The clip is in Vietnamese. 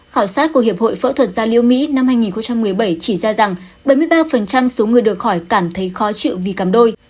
khảo sát của hiệp hội phẫu thuật gia liễu mỹ năm hai nghìn một mươi bảy chỉ ra rằng bảy mươi ba số người được hỏi cảm thấy khó chịu vì cặp đôi